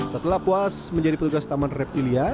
setelah puas menjadi petugas taman reptilia